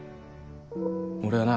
俺はな